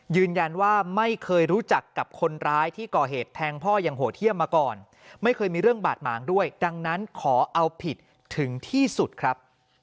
ยืนยันว่าไม่เคยรู้จักกับคนร้ายที่ก่อเหตุแทงพ่ออย่างโหดเยี่ยมมาก่อนไม่เคยมีเรื่องบาดหมางด้วยดังนั้นขอเอาผิดถึงที่สุดครับ